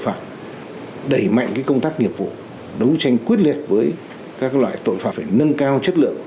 phạm đẩy mạnh công tác nghiệp vụ đấu tranh quyết liệt với các loại tội phạm phải nâng cao chất lượng